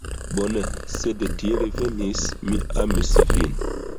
Bone, sed tiel venis, mi amis vin